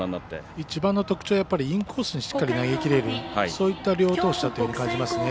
一番の特徴はインコースにしっかり投げきれる、そういった両投手だと思います。